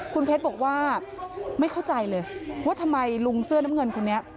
คุณเพชรบอกว่าไม่เข้าใจเลยว่าทำไมลุงเสื้อน้ำเงินคนนี้